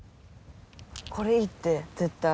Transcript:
これいいって絶対。